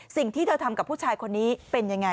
สิ่งที่เธอทำกับผู้ชายคนนี้เป็นยังไง